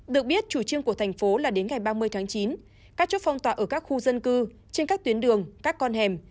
được biết chủ trương của thành phố là đến ngày ba mươi tháng chín các chốt phong tỏa ở các khu dân cư trên các tuyến đường các con hẻm